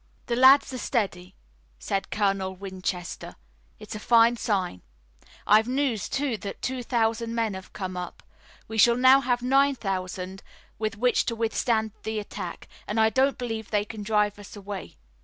"The lads are steady," said Colonel Winchester. "It's a fine sign. I've news, too, that two thousand men have come up. We shall now have nine thousand with which to withstand the attack, and I don't believe they can drive us away.